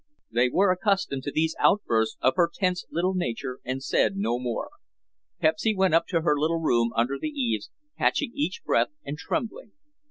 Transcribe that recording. They were accustomed to these outbursts of her tense little nature and said no more. Pepsy went up to her little room under the eaves, catching each breath and trembling.